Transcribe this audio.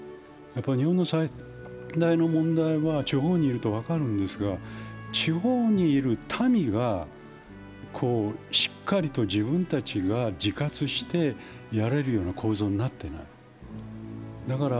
日本の最大の問題は地方にいると分かるんですが、地方にいる民がしっかりと自分たちが自活してやれるような構造になっていない。